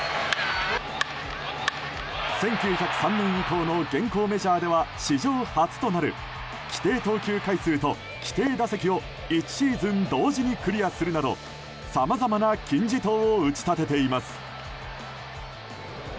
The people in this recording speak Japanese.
１９０３年以降の現行メジャーでは史上初となる規定投球回数と規定打席を１シーズン同時にクリアするなどさまざまな金字塔を打ち立てています。